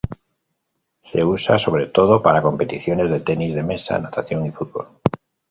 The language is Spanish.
Se usa sobre todo para competiciones de tenis de mesa, natación y fútbol.